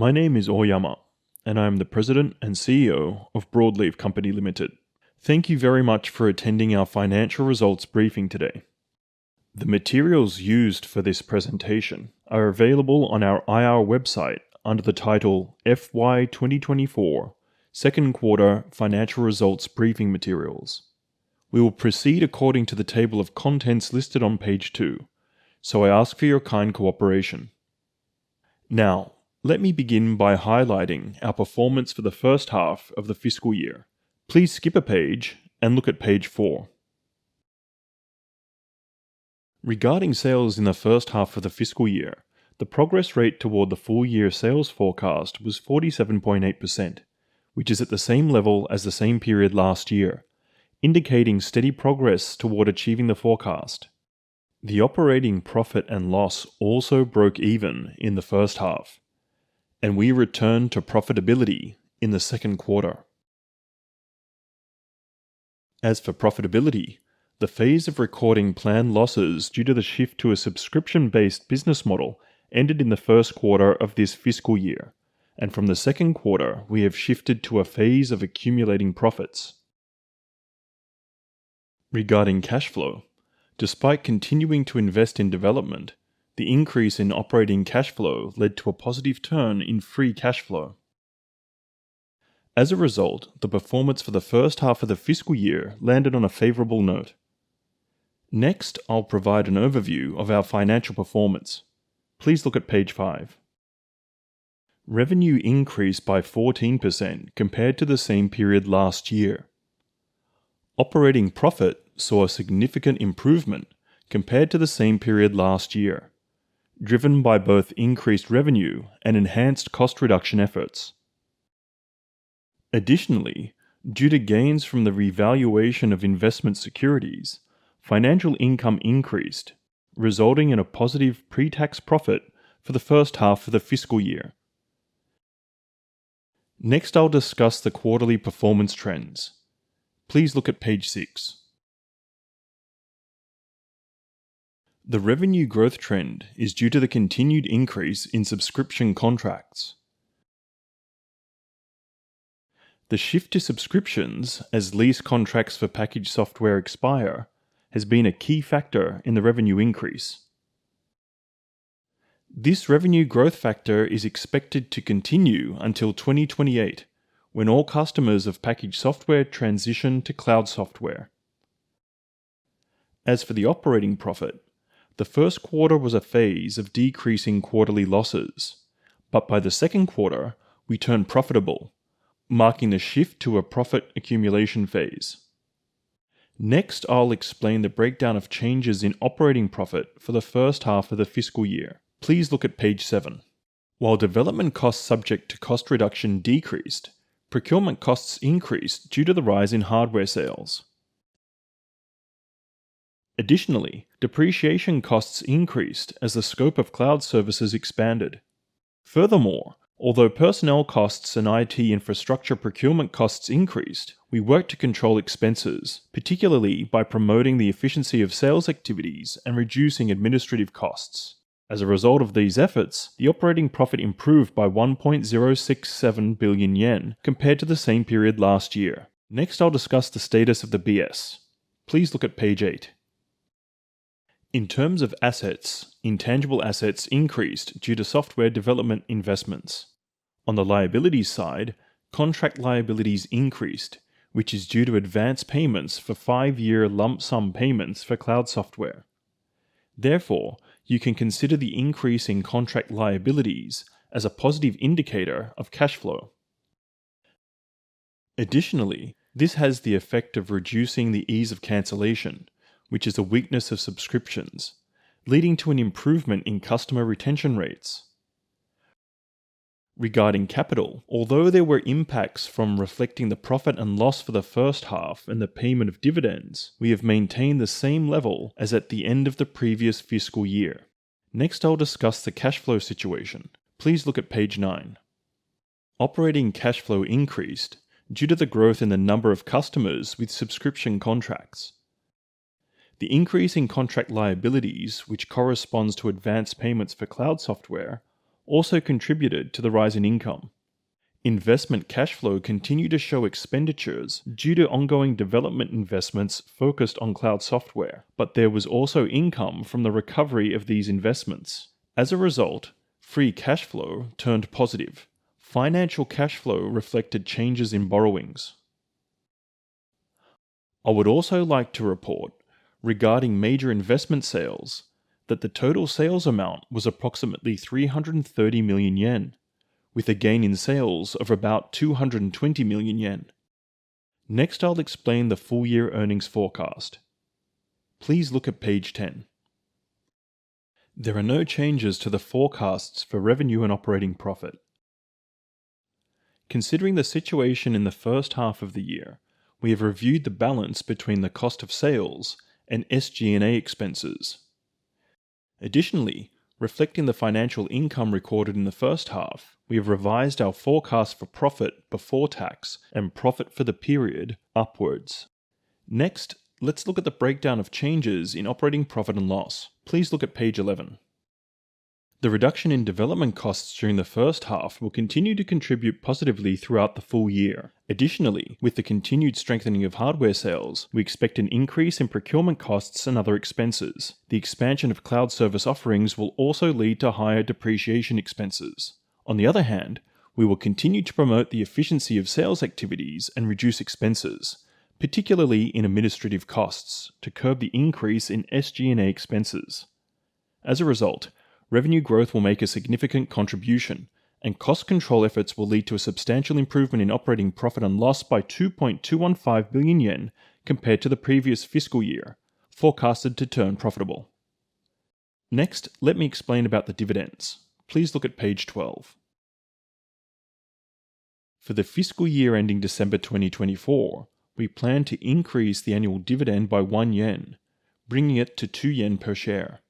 My name is Oyama, and I'm the President and CEO of Broadleaf Co., Ltd. Thank you very much for attending our financial results briefing today. The materials used for this presentation are available on our IR website under the title, "FY2024 Second Quarter Financial Results Briefing Materials." We will proceed according to the table of contents listed on page 2, so I ask for your kind cooperation. Now, let me begin by highlighting our performance for the first half of the fiscal year. Please skip a page and look at page 4. Regarding sales in the first half of the fiscal year, the progress rate toward the full year sales forecast was 47.8%, which is at the same level as the same period last year, indicating steady progress toward achieving the forecast. The operating profit and loss also broke even in the first half, and we returned to profitability in the second quarter. As for profitability, the phase of recording planned losses due to the shift to a subscription-based business model ended in the first quarter of this fiscal year, and from the second quarter, we have shifted to a phase of accumulating profits. Regarding cash flow, despite continuing to invest in development, the increase in operating cash flow led to a positive turn in free cash flow. As a result, the performance for the first half of the fiscal year landed on a favorable note. Next, I'll provide an overview of our financial performance. Please look at page 5. Revenue increased by 14% compared to the same period last year. Operating profit saw a significant improvement compared to the same period last year, driven by both increased revenue and enhanced cost reduction efforts. Additionally, due to gains from the revaluation of investment securities, financial income increased, resulting in a positive pre-tax profit for the first half of the fiscal year. Next, I'll discuss the quarterly performance trends. Please look at page 6. The revenue growth trend is due to the continued increase in subscription contracts. The shift to subscriptions as lease contracts for packaged software expire, has been a key factor in the revenue increase. This revenue growth factor is expected to continue until 2028, when all customers of packaged software transition to cloud software. As for the operating profit, the first quarter was a phase of decreasing quarterly losses, but by the second quarter, we turned profitable, marking the shift to a profit accumulation phase. Next, I'll explain the breakdown of changes in operating profit for the first half of the fiscal year. Please look at page 7. While development costs subject to cost reduction decreased, procurement costs increased due to the rise in hardware sales. Additionally, depreciation costs increased as the scope of cloud services expanded. Furthermore, although personnel costs and IT infrastructure procurement costs increased, we worked to control expenses, particularly by promoting the efficiency of sales activities and reducing administrative costs. As a result of these efforts, the operating profit improved by 1.067 billion yen compared to the same period last year. Next, I'll discuss the status of the BS. Please look at page 8. In terms of assets, intangible assets increased due to software development investments. On the liability side, contract liabilities increased, which is due to advance payments for five-year lump sum payments for cloud software. Therefore, you can consider the increase in contract liabilities as a positive indicator of cash flow. Additionally, this has the effect of reducing the ease of cancellation, which is a weakness of subscriptions, leading to an improvement in customer retention rates. Regarding capital, although there were impacts from reflecting the profit and loss for the first half and the payment of dividends, we have maintained the same level as at the end of the previous fiscal year. Next, I'll discuss the cash flow situation. Please look at page nine. Operating cash flow increased due to the growth in the number of customers with subscription contracts. The increase in contract liabilities, which corresponds to advance payments for cloud software, also contributed to the rise in income. Investment cash flow continued to show expenditures due to ongoing development investments focused on cloud software, but there was also income from the recovery of these investments. As a result, free cash flow turned positive. Financial cash flow reflected changes in borrowings. I would also like to report regarding major investment sales, that the total sales amount was approximately 330 million yen, with a gain in sales of about 220 million yen. Next, I'll explain the full year earnings forecast. Please look at page 10. There are no changes to the forecasts for revenue and operating profit. Considering the situation in the first half of the year, we have reviewed the balance between the cost of sales and SG&A expenses. Additionally, reflecting the financial income recorded in the first half, we have revised our forecast for profit before tax and profit for the period upwards. Next, let's look at the breakdown of changes in operating profit and loss. Please look at page 11. The reduction in development costs during the first half will continue to contribute positively throughout the full year. Additionally, with the continued strengthening of hardware sales, we expect an increase in procurement costs and other expenses. The expansion of cloud service offerings will also lead to higher depreciation expenses. On the other hand, we will continue to promote the efficiency of sales activities and reduce expenses, particularly in administrative costs, to curb the increase in SG&A expenses. As a result, revenue growth will make a significant contribution, and cost control efforts will lead to a substantial improvement in operating profit and loss by 2.215 billion yen compared to the previous fiscal year, forecasted to turn profitable. Next, let me explain about the dividends. Please look at page 12. For the fiscal year ending December 2024, we plan to increase the annual dividend by 1 yen, bringing it to 2 yen per share.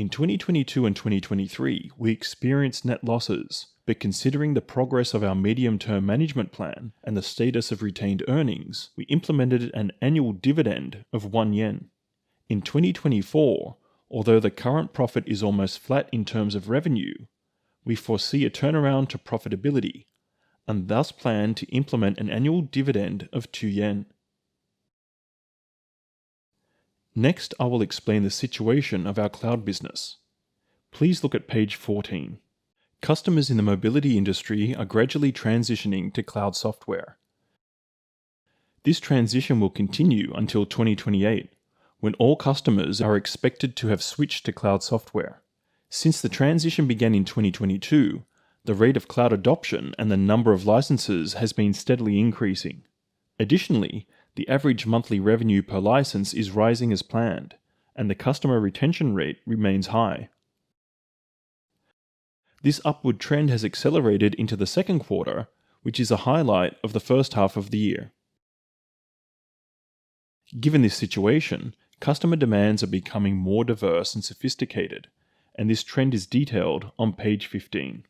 In 2022 and 2023, we experienced net losses, but considering the progress of our medium-term management plan and the status of retained earnings, we implemented an annual dividend of 1 yen. In 2024, although the current profit is almost flat in terms of revenue, we foresee a turnaround to profitability and thus plan to implement an annual dividend of 2 yen. Next, I will explain the situation of our cloud business. Please look at page 14. Customers in the mobility industry are gradually transitioning to cloud software. This transition will continue until 2028, when all customers are expected to have switched to cloud software. Since the transition began in 2022, the rate of cloud adoption and the number of licenses has been steadily increasing. Additionally, the average monthly revenue per license is rising as planned, and the customer retention rate remains high. This upward trend has accelerated into the second quarter, which is a highlight of the first half of the year. Given this situation, customer demands are becoming more diverse and sophisticated, and this trend is detailed on page 15.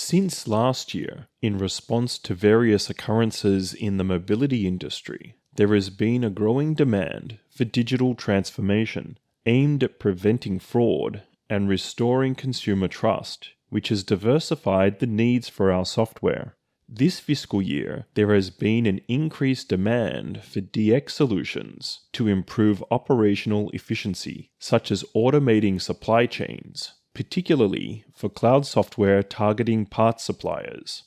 Since last year, in response to various occurrences in the mobility industry, there has been a growing demand for digital transformation aimed at preventing fraud and restoring consumer trust, which has diversified the needs for our software. This fiscal year, there has been an increased demand for DX solutions to improve operational efficiency, such as automating supply chains, particularly for cloud software targeting parts suppliers.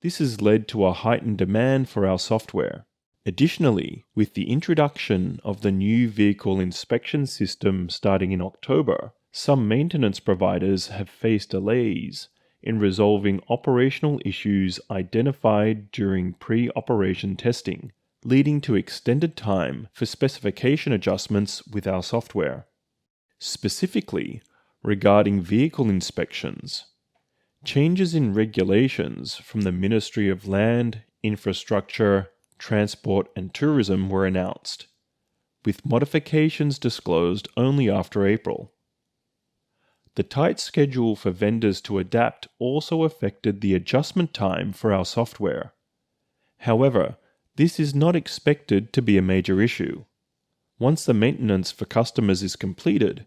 This has led to a heightened demand for our software. Additionally, with the introduction of the new vehicle inspection system starting in October, some maintenance providers have faced delays in resolving operational issues identified during pre-operation testing, leading to extended time for specification adjustments with our software. Specifically, regarding vehicle inspections, changes in regulations from the Ministry of Land, Infrastructure, Transport, and Tourism were announced, with modifications disclosed only after April. The tight schedule for vendors to adapt also affected the adjustment time for our software. However, this is not expected to be a major issue. Once the maintenance for customers is completed,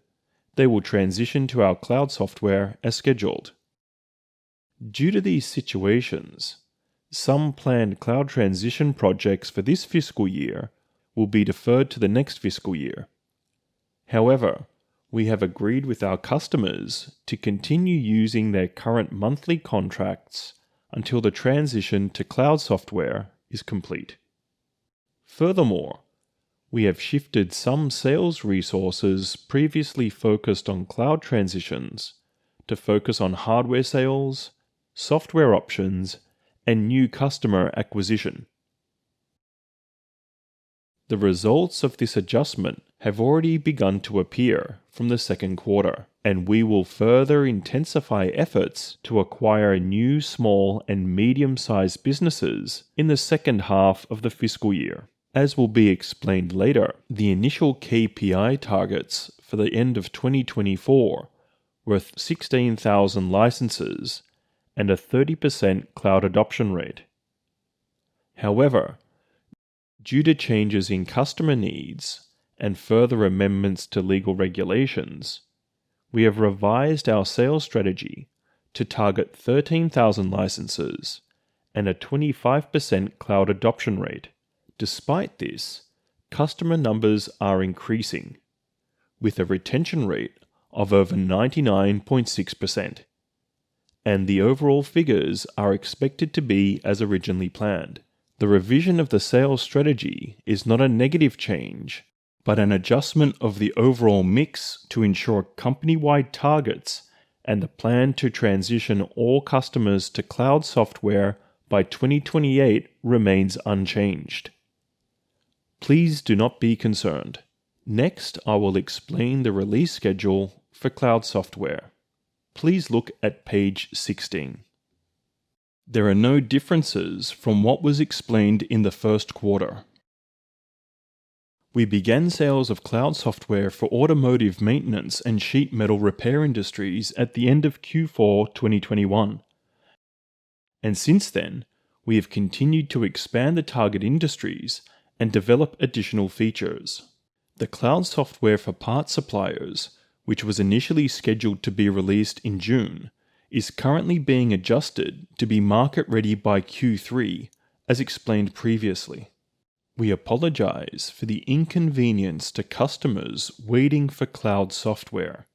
they will transition to our cloud software as scheduled. Due to these situations, some planned cloud transition projects for this fiscal year will be deferred to the next fiscal year. However, we have agreed with our customers to continue using their current monthly contracts until the transition to cloud software is complete. Furthermore, we have shifted some sales resources previously focused on cloud transitions to focus on hardware sales, software options, and new customer acquisition. The results of this adjustment have already begun to appear from the second quarter, and we will further intensify efforts to acquire new small and medium-sized businesses in the second half of the fiscal year. As will be explained later, the initial KPI targets for the end of 2024 were 16,000 licenses and a 30% cloud adoption rate. However, due to changes in customer needs and further amendments to legal regulations, we have revised our sales strategy to target 13,000 licenses and a 25% cloud adoption rate. Despite this, customer numbers are increasing, with a retention rate of over 99.6%, and the overall figures are expected to be as originally planned. The revision of the sales strategy is not a negative change, but an adjustment of the overall mix to ensure company-wide targets, and the plan to transition all customers to cloud software by 2028 remains unchanged. Please do not be concerned. Next, I will explain the release schedule for cloud software. Please look at page 16. There are no differences from what was explained in the first quarter. We began sales of cloud software for automotive maintenance and sheet metal repair industries at the end of Q4, 2021. And since then, we have continued to expand the target industries and develop additional features. The cloud software for parts suppliers, which was initially scheduled to be released in June, is currently being adjusted to be market ready by Q3, as explained previously. We apologize for the inconvenience to customers waiting for cloud software.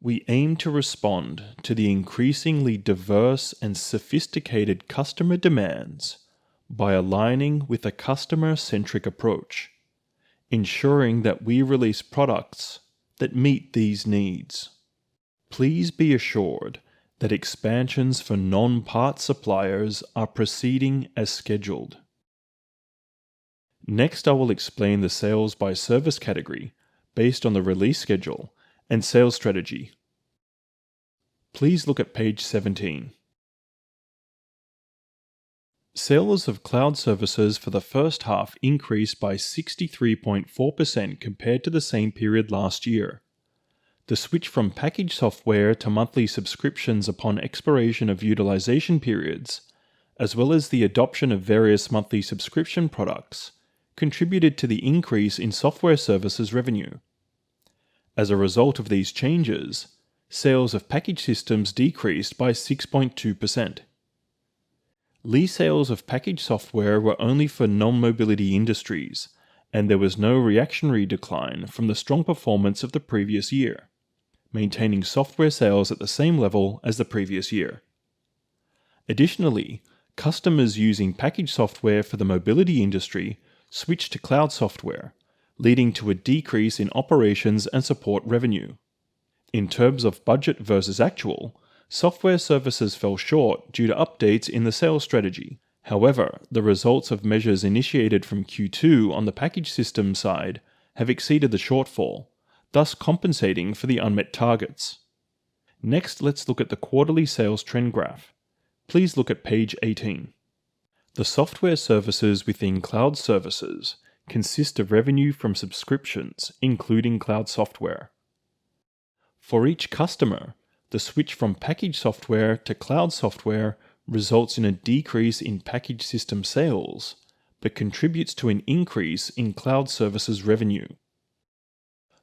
We aim to respond to the increasingly diverse and sophisticated customer demands by aligning with a customer-centric approach, ensuring that we release products that meet these needs. Please be assured that expansions for non-parts suppliers are proceeding as scheduled. Next, I will explain the sales by service category based on the release schedule and sales strategy. Please look at page 17. Sales of cloud services for the first half increased by 63.4% compared to the same period last year. The switch from packaged software to monthly subscriptions upon expiration of utilization periods, as well as the adoption of various monthly subscription products, contributed to the increase in software services revenue. As a result of these changes, sales of packaged systems decreased by 6.2%. Lease sales of packaged software were only for non-mobility industries, and there was no reactionary decline from the strong performance of the previous year, maintaining software sales at the same level as the previous year. Additionally, customers using packaged software for the mobility industry switched to cloud software, leading to a decrease in operations and support revenue. In terms of budget versus actual, software services fell short due to updates in the sales strategy. However, the results of measures initiated from Q2 on the packaged system side have exceeded the shortfall, thus compensating for the unmet targets. Next, let's look at the quarterly sales trend graph. Please look at page 18. The software services within cloud services consist of revenue from subscriptions, including cloud software. For each customer, the switch from packaged software to cloud software results in a decrease in packaged system sales, but contributes to an increase in cloud services revenue.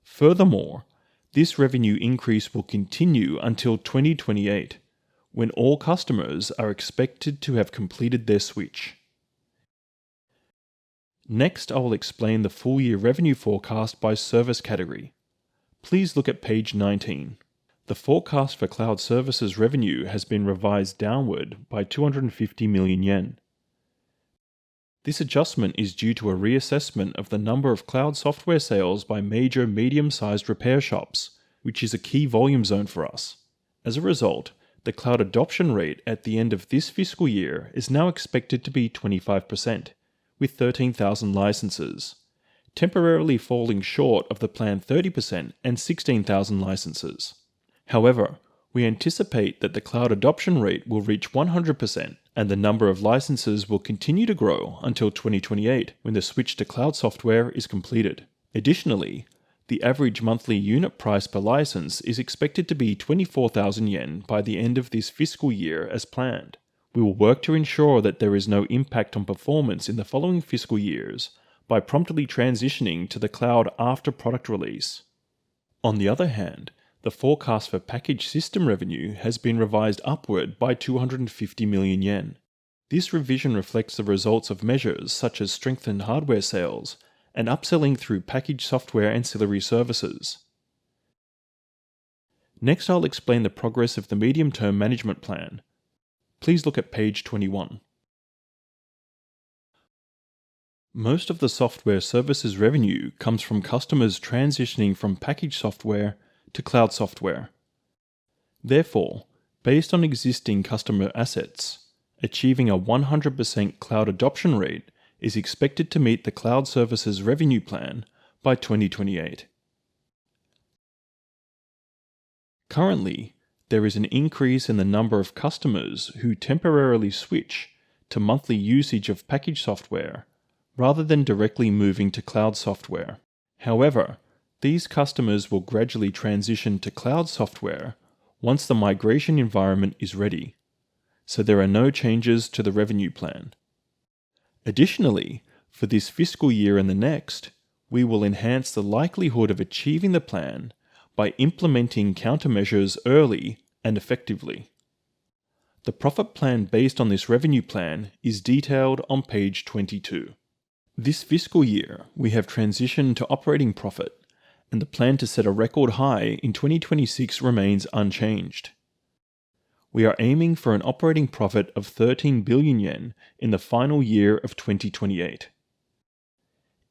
Furthermore, this revenue increase will continue until 2028, when all customers are expected to have completed their switch. Next, I will explain the full year revenue forecast by service category. Please look at page 19. The forecast for cloud services revenue has been revised downward by 250 million yen. This adjustment is due to a reassessment of the number of cloud software sales by major medium-sized repair shops, which is a key volume zone for us. As a result, the cloud adoption rate at the end of this fiscal year is now expected to be 25%, with 13,000 licenses, temporarily falling short of the planned 30% and 16,000 licenses. However, we anticipate that the cloud adoption rate will reach 100%, and the number of licenses will continue to grow until 2028, when the switch to cloud software is completed. Additionally, the average monthly unit price per license is expected to be 24,000 yen by the end of this fiscal year as planned. We will work to ensure that there is no impact on performance in the following fiscal years by promptly transitioning to the cloud after product release. On the other hand, the forecast for packaged system revenue has been revised upward by 250 million yen. This revision reflects the results of measures such as strengthened hardware sales and upselling through packaged software ancillary services. Next, I'll explain the progress of the medium-term management plan. Please look at page 21. Most of the software services revenue comes from customers transitioning from packaged software to cloud software. Therefore, based on existing customer assets, achieving a 100% cloud adoption rate is expected to meet the cloud services revenue plan by 2028. Currently, there is an increase in the number of customers who temporarily switch to monthly usage of packaged software rather than directly moving to cloud software. However, these customers will gradually transition to cloud software once the migration environment is ready, so there are no changes to the revenue plan. Additionally, for this fiscal year and the next, we will enhance the likelihood of achieving the plan by implementing countermeasures early and effectively. The profit plan based on this revenue plan is detailed on page 22. This fiscal year, we have transitioned to operating profit, and the plan to set a record high in 2026 remains unchanged. We are aiming for an operating profit of 13 billion yen in the final year of 2028.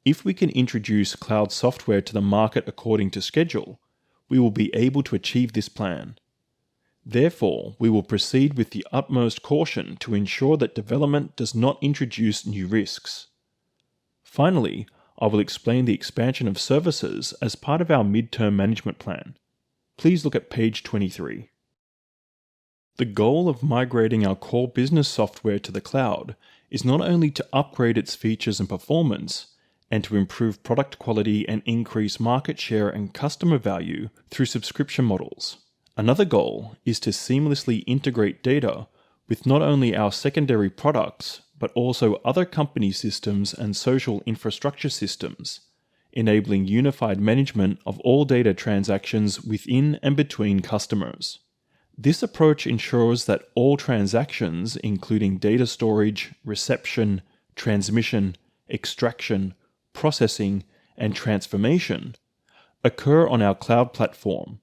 If we can introduce cloud software to the market according to schedule, we will be able to achieve this plan. Therefore, we will proceed with the utmost caution to ensure that development does not introduce new risks. Finally, I will explain the expansion of services as part of our midterm management plan. Please look at page 23.... The goal of migrating our core business software to the cloud is not only to upgrade its features and performance and to improve product quality and increase market share and customer value through subscription models. Another goal is to seamlessly integrate data with not only our secondary products, but also other company systems and social infrastructure systems, enabling unified management of all data transactions within and between customers. This approach ensures that all transactions, including data storage, reception, transmission, extraction, processing, and transformation, occur on our cloud platform,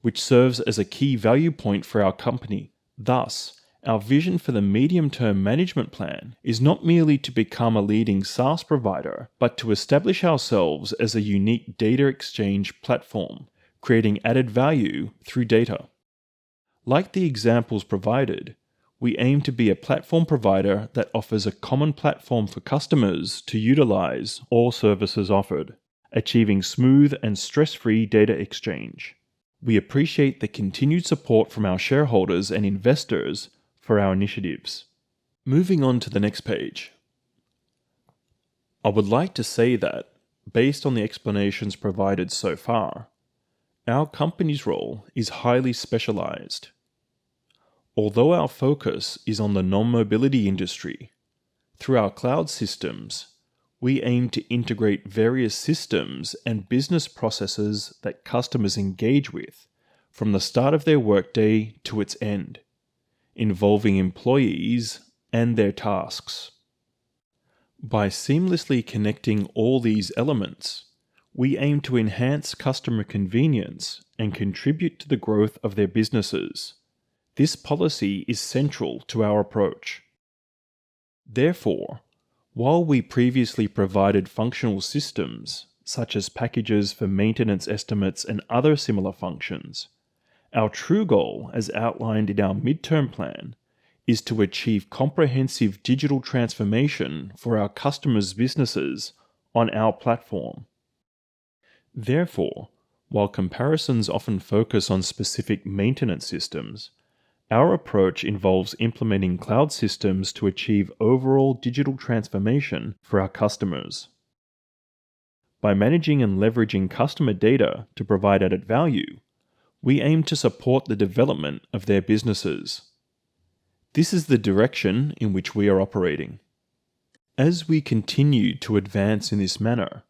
which serves as a key value point for our company. Thus, our vision for the medium-term management plan is not merely to become a leading SaaS provider, but to establish ourselves as a unique data exchange platform, creating added value through data. Like the examples provided, we aim to be a platform provider that offers a common platform for customers to utilize all services offered, achieving smooth and stress-free data exchange. We appreciate the continued support from our shareholders and investors for our initiatives. Moving on to the next page. I would like to say that based on the explanations provided so far, our company's role is highly specialized. Although our focus is on the mobility industry, through our cloud systems, we aim to integrate various systems and business processes that customers engage with from the start of their workday to its end, involving employees and their tasks. By seamlessly connecting all these elements, we aim to enhance customer convenience and contribute to the growth of their businesses. This policy is central to our approach. Therefore, while we previously provided functional systems, such as packages for maintenance estimates and other similar functions, our true goal, as outlined in our midterm plan, is to achieve comprehensive digital transformation for our customers' businesses on our platform. Therefore, while comparisons often focus on specific maintenance systems, our approach involves implementing cloud systems to achieve overall digital transformation for our customers. By managing and leveraging customer data to provide added value, we aim to support the development of their businesses. This is the direction in which we are operating. As we continue to advance in this manner,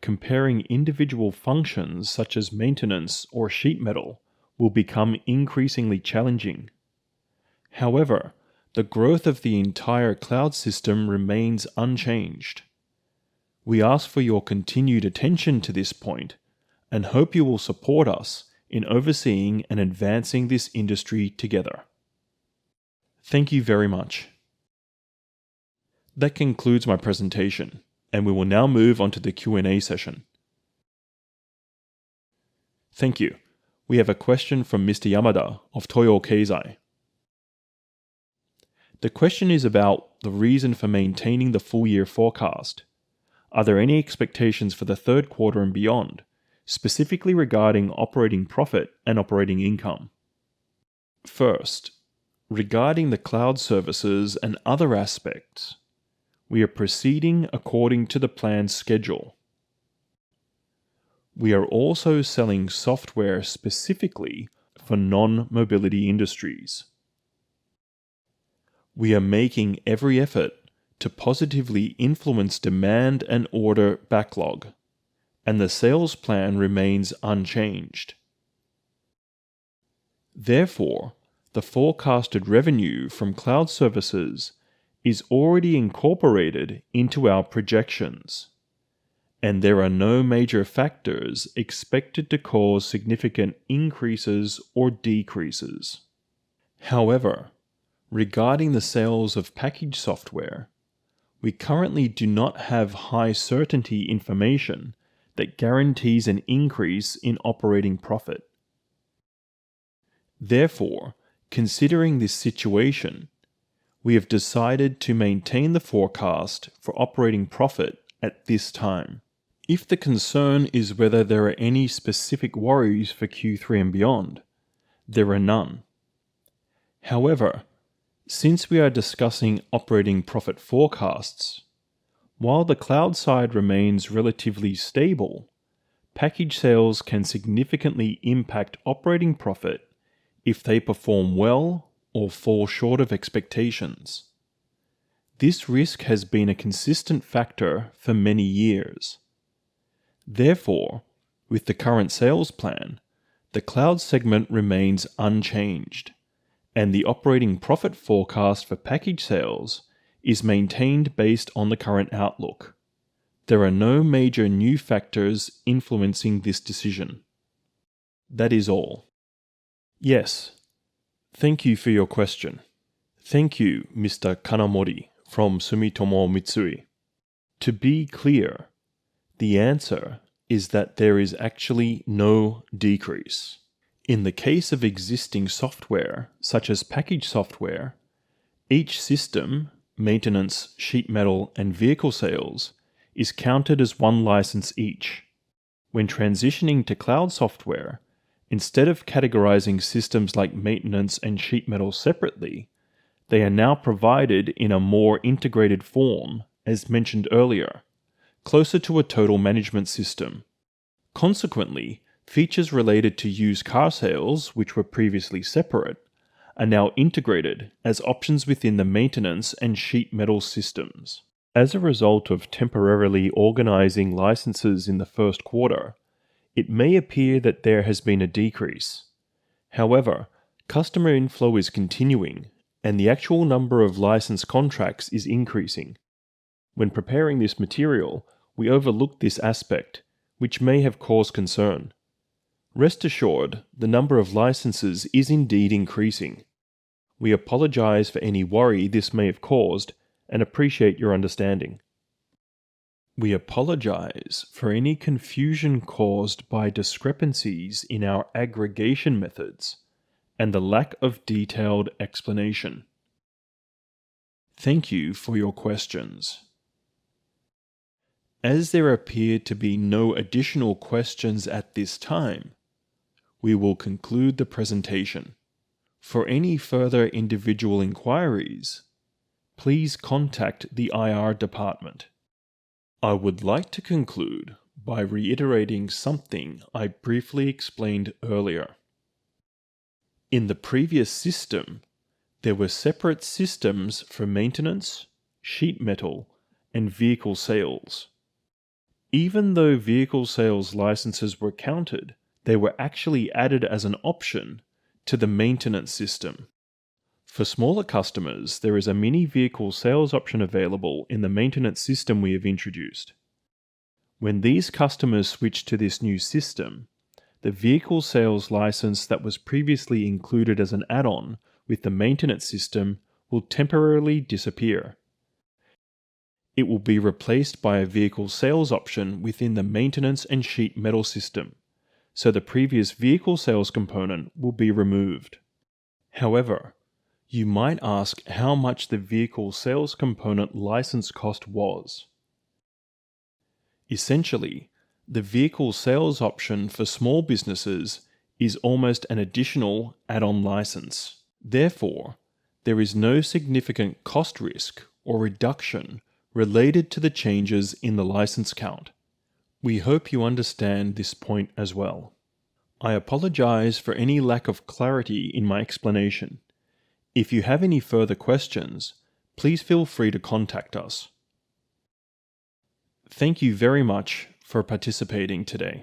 comparing individual functions such as maintenance or sheet metal will become increasingly challenging. However, the growth of the entire cloud system remains unchanged. We ask for your continued attention to this point and hope you will support us in overseeing and advancing this industry together. Thank you very much. That concludes my presentation, and we will now move on to the Q&A session. Thank you. We have a question from Mr. Yamada of Toyo Keizai. The question is about the reason for maintaining the full-year forecast. Are there any expectations for the third quarter and beyond, specifically regarding operating profit and operating income? First, regarding the cloud services and other aspects, we are proceeding according to the planned schedule. We are also selling software specifically for non-mobility industries. We are making every effort to positively influence demand and order backlog, and the sales plan remains unchanged. Therefore, the forecasted revenue from cloud services is already incorporated into our projections, and there are no major factors expected to cause significant increases or decreases. However, regarding the sales of package software, we currently do not have high certainty information that guarantees an increase in operating profit. Therefore, considering this situation, we have decided to maintain the forecast for operating profit at this time. If the concern is whether there are any specific worries for Q3 and beyond, there are none. However, since we are discussing operating profit forecasts, while the cloud side remains relatively stable, package sales can significantly impact operating profit if they perform well or fall short of expectations. This risk has been a consistent factor for many years. Therefore, with the current sales plan, the cloud segment remains unchanged, and the operating profit forecast for package sales is maintained based on the current outlook. There are no major new factors influencing this decision. That is all. Yes, thank you for your question. Thank you, Mr. Kanamori from Sumitomo Mitsui. To be clear, the answer is that there is actually no decrease. In the case of existing software, such as package software. Each system, maintenance, sheet metal, and vehicle sales, is counted as one license each. When transitioning to cloud software, instead of categorizing systems like maintenance and sheet metal separately, they are now provided in a more integrated form, as mentioned earlier, closer to a total management system. Consequently, features related to used car sales, which were previously separate, are now integrated as options within the maintenance and sheet metal systems. As a result of temporarily organizing licenses in the first quarter, it may appear that there has been a decrease. However, customer inflow is continuing, and the actual number of license contracts is increasing. When preparing this material, we overlooked this aspect, which may have caused concern. Rest assured, the number of licenses is indeed increasing. We apologize for any worry this may have caused and appreciate your understanding. We apologize for any confusion caused by discrepancies in our aggregation methods and the lack of detailed explanation. Thank you for your questions. As there appear to be no additional questions at this time, we will conclude the presentation. For any further individual inquiries, please contact the IR department. I would like to conclude by reiterating something I briefly explained earlier. In the previous system, there were separate systems for maintenance, sheet metal, and vehicle sales. Even though vehicle sales licenses were counted, they were actually added as an option to the maintenance system. For smaller customers, there is a mini vehicle sales option available in the maintenance system we have introduced. When these customers switch to this new system, the vehicle sales license that was previously included as an add-on with the maintenance system will temporarily disappear. It will be replaced by a vehicle sales option within the maintenance and sheet metal system, so the previous vehicle sales component will be removed. However, you might ask how much the vehicle sales component license cost was. Essentially, the vehicle sales option for small businesses is almost an additional add-on license. Therefore, there is no significant cost risk or reduction related to the changes in the license count. We hope you understand this point as well. I apologize for any lack of clarity in my explanation. If you have any further questions, please feel free to contact us. Thank you very much for participating today.